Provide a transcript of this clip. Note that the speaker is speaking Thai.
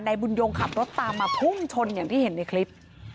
บุญยงขับรถตามมาพุ่งชนอย่างที่เห็นในคลิป